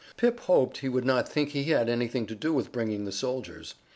Pip hoped he would not think he had had anything to do with bringing the soldiers.